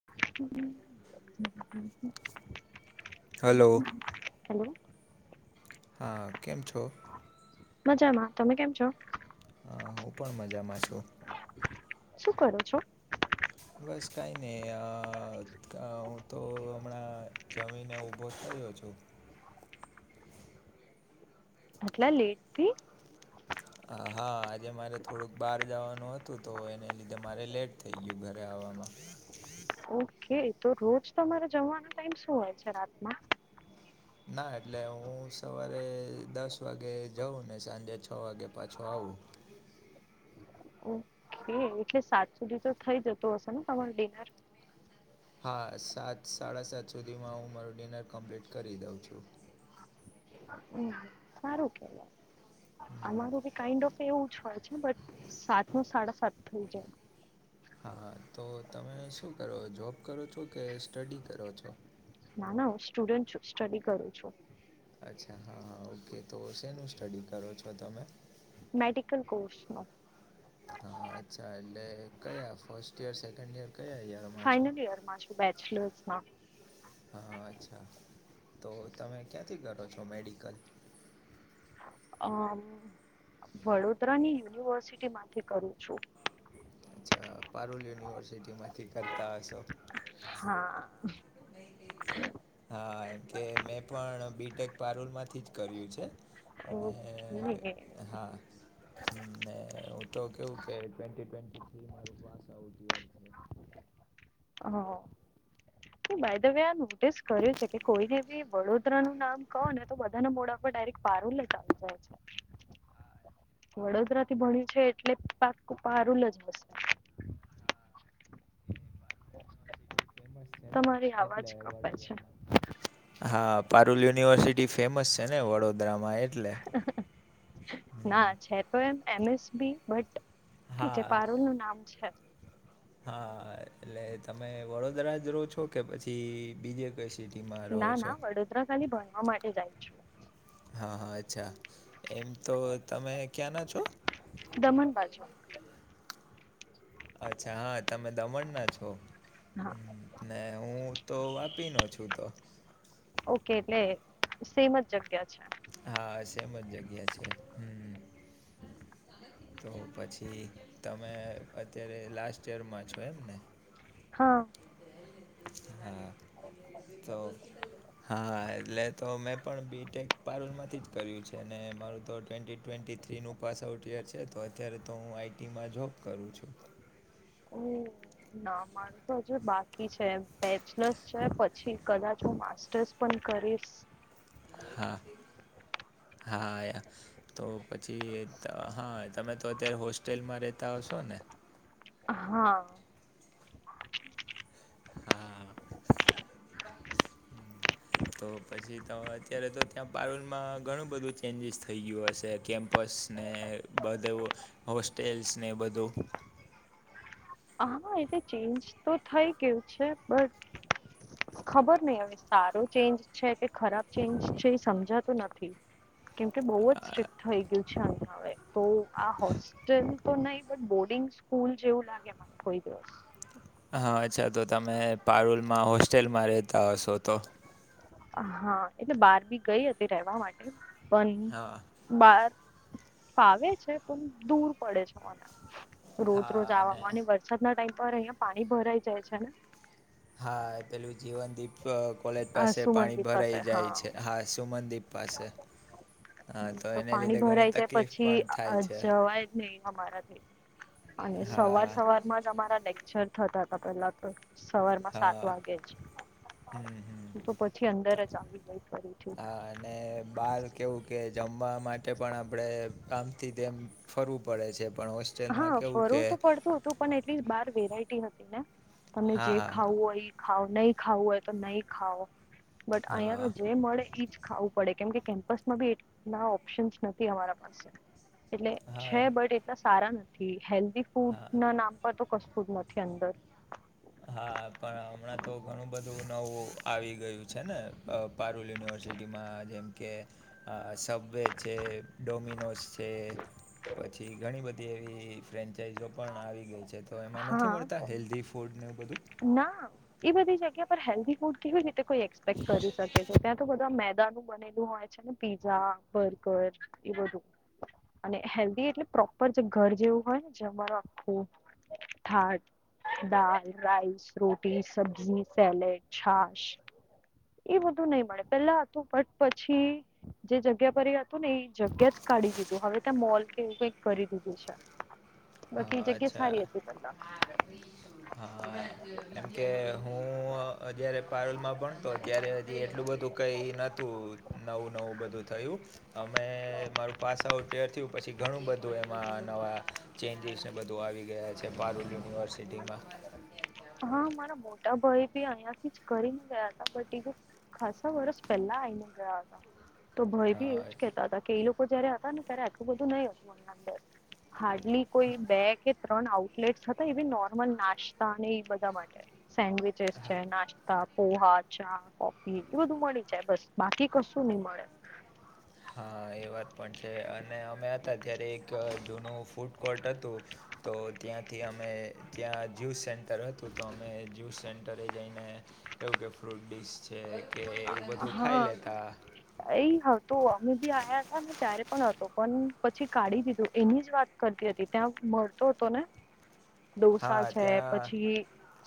[inaudible] Hello. Hello હા કેમ છો? મજામાં તમે કેમ છો? હા હું પણ મજામાં છું. શું કરો [inaudible] બસ કાંઈ નહીં અ હું તો હમણાં જમીને ઊભો થયો છું. અટલા લેટથી. હા આજે મારે થોડુંક બહાર જવાનું હતું તો એને લીધે મારે લેટ થઈ ગયું ઘરે આવવામાં. ઓકે તો રોજ તમારે જમવાનો ટાઈમ શું હોય છે રાતના. ના એટલે હું સવારે દસ વાગે જાઉં ને સાંજે છ વાગે પાછો આવું. એટલે સાત સુધી તો થઈ જતો હશે ને તમારુ ડિનર. હા સાત સાડા સાત સુધીમાં હું મારું ડિનર કમ્પ્લીટ કરી દઉં છું. સારું કેવાય. અમારું બી કાન્ડ ઓફ એવું જ હોય છે બટ સાત નો સાડા સાત થઈ જાય. હા હા તો તમે શું કરો જોબ કરો છો કે સ્ટડી કરો છો. ના ના હું સ્ટુડન્ટ છું સ્ટડી કરું છું. અચ્છા હા હા ઓકે તો શેનું સ્ટડી કરો છો તમે. મેડિકલ કોર્સનો. હા અચ્છા એટલે કયા ફર્સ્ટ યર સેકન્ડ ઈયર કયા યર ફાઈનલ ઈયર માં છું બેચલર્સમાં. હા અચ્છા તો તમે ક્યાંથી કરો છો મેડિકલ અ વડોદરાની યુનિવર્સિટી માંથી કરું છું. અચ્છા પારૂલ યુનિવર્સિટી માંથી કરતા હશો હા. હા એજ હા તે મેં પણ બી. ટેક. પારૂલ માંથી જ કર્યું છે. ઓકે. હા. હ મેને હું તો કેવું કે ટ્વેન્ટી ટ્વેન્ટી થ્રી મારું પાસ આવઉટ યર. છે હ બાયધવે આ નોટિસ કર્યું છે કે કોઈને બી વડોદરાનું નામ કહો ને તો બધાના મોડા ડાયરેક્ટ પારુંલ જ આવી જાય છે. વડોદરા થી ભણ્યું છે એટલે પાક પારૂલ જ હશે. યુનિવર્સિટી ફેમસ છે ને તમારી એટલે આવાજ એવોર્ડ કપાય છે. વગેરેમાં. હા પારુલ યુનિવર્સિટી ફેમસ છે ને વડોદરામાં એટલે ના છે તો એમ એમ. એસ. બી. બટ ઠી છે હા પારૂલ નું નામ છે. હા એટલે તમે વડોદરા જ રો છો કે પછી બીજ કસ ના ના વડોદરા ખાલી ભણવા માટે જાય છું. હા હા અચ્છા એમ તો તમે ક્યાંના છો? દમણ બાજુ અચ્છા હા તમે દમણ ના છો. હા ને હું તો વાપીનો છું તો ઓકે એટલે સેમ જ જગ્યા છે. હા સેમ જ જગ્યા છે હમ્મ તો પછી તમે અત્યારે લાસ્ટ યરમાં છો એમને. હા. હ તો હા એટલે તો મેં પણ બી. ટેક. પારૂલ માંથી જ કર્યું છે અને મારું તો ટ્વેન્ટી ટ્વેન્ટી થ્રીનું પાસ આઉટ યર છે તો અત્યારે તો હું આઈ. ટી. માં જોબ કરું છું. હમ્મ. ના માનું તો હજુ બાકી છે બેચલર્સ છે પછી કદાચ હું માસ્ટર્સ પણ કરીસ હા હા આયા તો પછી ત હ તમે તો અત્યારે હોસ્ટેલમાં રેત તા હશો ને અ હા. હા. [inaudible] તો પછી તો અત્યારે તો ત્યાં પારૂલ માં ઘણું બધું ચેન્જીસ થઈ ગ્યું હશે કેમ્પ પસ ને બધાઉ હોસ્ટેલ્સ ને બધું હા એ તો ચેન્જ તો થઈ ગયું છે બટ ખબર નહિ હવે સારો ચેન્જ છે કે ખરાબ ચેન્જ છે એ સમજાતું નથી. કેમ કે બઉ જ સ્ટ્રિક થઈ ગયું છે અહિયાં હવે તો આ હોસ્ ટેલ તો નહી બટ બોર્ડિંગ સ્કૂલ જેવું લાગે મને કોઈ દિવસ હા અચ્છા તો તમે પારૂલમાં હોસ્ટેલમાં રેહતા હશો તો હા એટલે બાર બી ગઈ હતી રેવા માટે પણ હા બાર ફાવે છે પણ દૂર પડે છે મને, રોજ રોજ આવામાં અને વરસાદ ના ટાઈમ પર અહીંયા પાણી ભરાઈ જાય છે ને હા એ પેલું જીવન દીપ અ કોલેજ અ, પાસે પાણી સુમનદીપ પાસે ભરાઈ જાય છે, હા સુમનદીપ પાસે હા તો એને પાણી લીધે ઘણી ભરાઈ જાય તકલીફ પછી પણ થાય છે જવાય જ નહી અમારાથી. અને સવાર હા સવારમાં જ અમારા લેક્ચર થતા હતા પેલા તો સવારમાં સાત હા વાગે જ. હમ તો પછી અંદર જ હમ આવી ગઈ ફરીથી હા અને બાર કેવું? કે જમવા માટે પણ આપણે આમથી તેમ ફરવું પડે છે. પણ હા હોસ્ટેલમાં કેવું કે? ફરવું પડતું તો પણ એટલી બાર વેરાયટી હતીને તમને જે હા ખાવું હોય ઈ ખાવુ નહી ખાવું હોય તો નહી ખાઉ બટ હા અહીયાં હા તો જે મળે એજ- ખાવું પડે કેમ કે કેમ્પસમાં બી એટલા ઓપ્શનસ નથી અમારા પાસે. એટલે હા છે એમ બટ એટલા સારા નથી [inaudible] હા ફૂડના નામ પર તો કશું જ નથી અંદર. હા પણ હમણાં તો ઘણું બધું નવું આવી ગયું છે ને? પારૂલ યુનિવર્સિટીમાં જેમકે સબવે છે, ડોમિનોસ તે પછી ઘણી બધી એવી ફ્રેન્ચાાઈઝો પણ આવી ગઈ છે. તો એમાં નથી મળતા હા હેલ્થી ફૂડને એવું બધું. ના એ બધી જગ્યા પર હેલ્ધી ફૂડ કેવી રીતે? કોઈ એક્સપેક્ટ કરી શકે છે. ત્યાં તો બધા મેંદાનું બનેલું હોય. પીઝા, બર્ગરએ બધું અને હેલ્ધી એટલે પ્રોપર જે ઘર જેવું હોય ને જે જમવાનું આખું ઠાઠ દાલ, રાઇસ, રોટી, સબજી, સેલેડ, છાશ એ બધું નહી મળે પેલા હતું બટ પછી જે જગ્યા પર એ હતું ને એ જગ્યા જ કાઢી દીધું હવે ત્યાં મોલ કે એવું કઈક કરી દીધું છે. હા બાકી એ જગ્યા અચ્છા સારી હતી પેહલા. હા એમ કે હું અત્યારે પારુલમાં ભણતો ત્યારે હજી એટલું બધું કંઈ નહોતું નવું નવું બધું થયું. અમે મારું પાસ આઉટ યર થયું પછી- ઘણું બધું એમાં નવા ચેન્જીસને બધું આવી ગયા છે. પારૂલ યુનિવર્સિટીમાં હા મારા મોટા ભાઈ બી અહિયાં થી જ કરી ને ગયા હતા બટ ખાસા વર્સ પહેલા આવીને ગયા હતા તો ભઈ બી હા એવુંજ કેહેતા હતા કે એ જયારે હતા ને ત્યારે આટલું બધું નહી હતું એ અંદર હાર્ડલી કોઈ બે કે ત્રણ આઉટલેટસ હતા એવી નોર્મલ નાસ્તાને બધા માટે- સેન્ડવીચેસ છે, નાસ્તા, પોહા, ચા, કોફી એ બધું મળી જાય બસ- બાકી કશું નહી મળે. હા એ- વાત પણ છે અને અમે હતા ત્યારે એક જૂનું ફૂડ કોર્ટ હતું. તો ત્યાંથી અમે ત્યાં જ્યુસ સેન્ટર હતું તો અમે જ્યુસ સેન્ટરે જઈને એવું કે ફ્રૂટ ડીશ છે કે એવું બધું ખાઈ હા લેતા એ હતો અમે બી આવ્યા હતા ને ત્યારે પણ હતો પણ પછી કાઢી દીધું એની જ વાત કરતી હતી ત્યાં મળતો હતો ને ડોસા હા છે ત્યાં પછી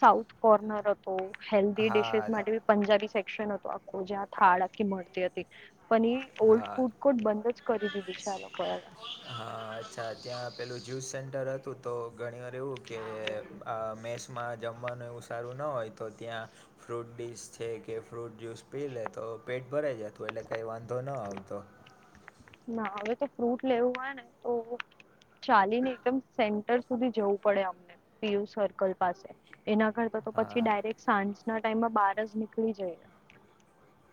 સાઉથ કોર્નર હતો હેલ્ધી હા ડિશસ માટે ભી પંજાબી સેક્શન [inaudible] જ થાળ આખી મળતી હતી. પણ એ ઓલ્ડ હા ફૂડ કોર્ટ બંધ જ કરી દીધું છે આ લોકો હવે હા અચ્છા ત્યાં પેલું જ્યુસ સેન્ટર હતું તો ઘણી વાર એવું કે આ મેસ- માં જમવાનું એવું સારું ન હોય તો ત્યાં ફ્રૂટ ડીસ છે કે ફ્રૂટ જ્યુસ પી લે તો પેટ ભરાઈ જતું એટલે કઈ વાંધ તો ન આવતો. ના હવે તો ફ્રૂટ લેવું હોય ને તો ચાલીને એકદમ સેન્ટર સુધી જવું પડે અમને પીયુ સર્કલ પાસે એના કર તો હા પછી ડાયરેક્ટ સાંજના ટાઈમમાં બાર જ નીકળી જઈ.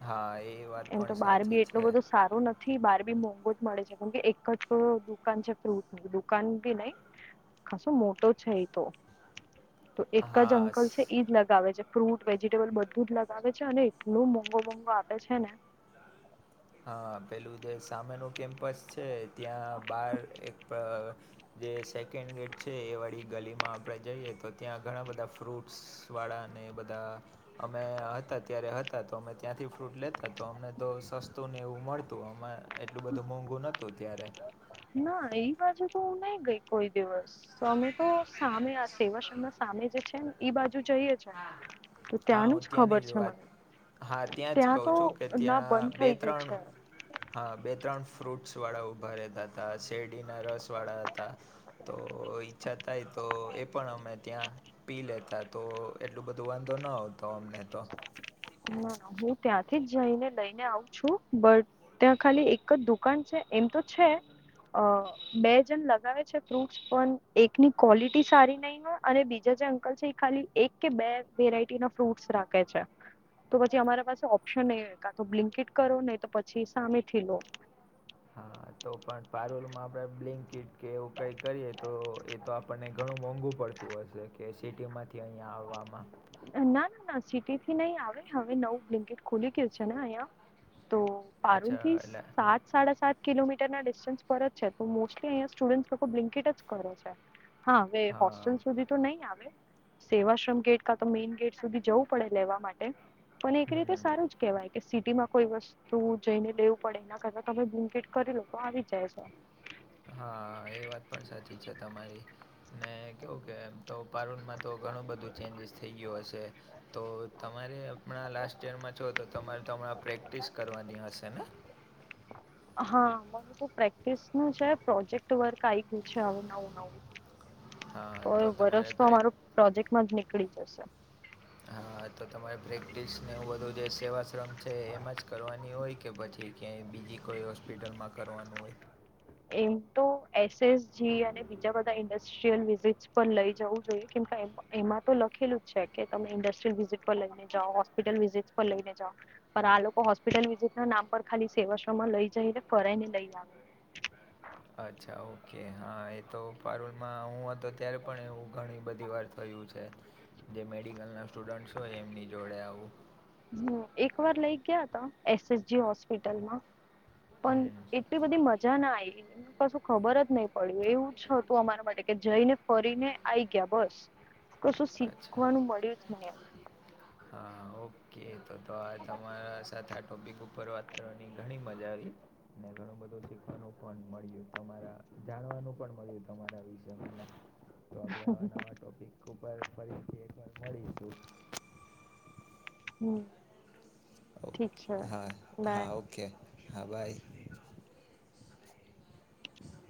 હા એ વાત એમ પણ તો બાર સાચી બી છે એટલું બધું સારું નથી બાર બી મોંંગો જ મળે છે કેમ કે એક જ દુકાન છે ફ્રૂટ દુકાન બી નહી ખાસો મોટો છે એ તો તો એક જ હા સ અંકલ છે એઈજ લગાવે છે. ફ્રૂટ વેજીિટેબલ બધું જ લગાવે છે અને એટલું મોંઘો મોંઘો આપે છે ને હા પેલું જે સામેનું કેમ્પસ છે ત્યાં બાર એક જે સેકન્ડ ગેટ છે એ વાડી ગલીમાં આપડે જઈએ તો ત્યાં ઘણા બધા ફ્રૂટસ વાડા અને એ બધા અમે હતા ત્યારે હતા તો અમે ત્યાંથી ફ્રૂટ લેતા તો અમને તો સસ્ તું ને એવું મળતું અમાર એટલું બધું મોંઘું નહતું ત્યારે. ના એ બાજુ તો હું નઈ ગઈ કોઈ દિવસ અમે તો સામે આ સવા સામે જે છે ને એઈ બાજુ જઈએ છે તો હા ત્યાંનું હું જ ત્યાંની ખબર છે વાત મને. હા જ ત્યાં કહું તો છું કે ના બંધ ત્યાં બે થઈ ગયું ત્રણ છે. હા બે ત્રણ ફ્રૂટસ વાળા ઊભા રહેતા હતા શેરડીના રસ વાળા હતા. તો ઈચ્છા થાય તો એ પણ અમે ત્યાં પી લેતા તો એટલું બધું વાંધો ન આવતો અમને તો. ના ના હું ત્યાંથી જ જઈને લઈને આવું છું બટ ત્યાં ખાલી એક જ દુકાન છે એમ તો છે અ બે જણ લગાવે છે ફ્રૂટસ પણ એકની ક્વોલિટી સારી નહી હો અને બીજા જે અંકલ છે એ ખાલી એક કે બે વેરાઈટી ન ફ્રૂટ્સ રાખે છે. તો પછી અમારા પાસે ઓપ્શન એ કા તો બ્લિંકિટ કરો ને તો પછી સામેથી લો. હા [inaudible] તો પણ પારૂલમાં આપણે બ્લિંકિટ કે એવું કંઈ કરીએ તો એ તો આપણને ઘણું મોંઘું પડતું. પડતું હશે કે સિટી માંથી અહીંયા આવવામાં ના ના ના સિટી થી નહી આવે હવે નવું બ્લિંકિટ ખુલી ગયું છે ને અહિયાં તો અચ્છા પારુલથી એટલે સાત સાડા સાત કિલોમીટરના ડિસ્ટન્સ પર જ છે તો મોસ્ટલી અહીંયા સ્ટુડન્ટ લોકો બ્લિન્કીટ જ કરે છે. હા હવે હોસ્ટેલ હા સુધી તો નહી આવે સેવાશ્રમ ગેટ તો મેઈન ગેટ સુધી જવું પડે લેવા માટે પણ એક રીતે હમ સારું જ કેહેવાય. સિટીમાં કોઈ વસ્તુ જઈને લેવું પડે એના કરતા તમે બ્લિકેટ કરી લો તો આવી જ જાય છે. હા એ વાત પણ સાચી છે તમારી. ને કેવું કે એમ તો પારૂલમાં તો ઘણું બધું ચેન્જીસ થઈ ગયું હશે. તો તમારે હમણાં લાસ્ટ ઈયરમાં છો તો તમારે તો હમણાં પ્રેક્ટિસ કરવાની હશે ને? હા માર તો પ્રેક્ટિસ નું છે પ્રોજેક્ટ વર્ક આ ગયું છે હવે નવું નવું હા તો વરસ તમારે તો પ્રેક અમારો પ્રોજેક્ટમાં જ નીકળી જશે. હા તો તમારે પ્રેક્ટિસને એવું બધું જે સેવાશ્રમ છે એમાં જ કરવાની હોય કે કે પછી ક્યાંય બીજી કોઈ હોસ્પિટલમાં કરવાનું હોય? એમ તો એસએસજી અને બીજા બધા ઇન્ડસ્ટ્રી વિઝટ પર લઈ જવું જોઈએ કેમ એ એમાં તો લખેલું જ છે કે તમે ઇન્ડસ્ટ્રીયલ વિઝિટ પર લઈને જાઓ હોસ્પિટલ વિઝિટ પર લઈને જાઓ. પણ આ લોકો હોસ્પિટલ વિઝિટ નામ પર ખાલી સેવાશ્ર માં લઈ જઈને ફરાઈ ને લઈ આવે. અચ્છા ઓકે હા એ તો પારુલમાં હું હતો ત્યારે પણ એવું ઘણી બધી વાર કર્યું છે જે મેડિકલના સ્ટુડન્ટસ હોય એમની જોડે આવું. હમ્મ એક વાર લઇ ગયા હતા એસએસજી હોસ્પિટલમાં. પણ હમ એટલી બધી મજા ના આઈ. કસુ ખબર જ નહી પડી એવું જ હતું અમારા માટે કે જઈને ફરીને આઈ ગયા બસ. કશું અચ્છા શીખવાનું મળ્યું જ નઈ એમ. હા ઓકે તો તો આ તમારા સાથે આ ટોપિક ઉપર વાત કરવાની ઘણી મજા આવી. ને ઘણું બધું શીખવાનું પણ મળ્યું તમારા જાણવાનું પણ મળ્યું તમારા વિશે. તો આપણે આવા નવા ટોપિક ઉપર ફરીથી એકવાર મળીશું. હમ. ઓ ઠીક છે હા બાય હા ઓકે હા બાય.